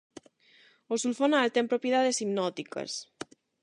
O sulfonal ten propiedades hipnóticas.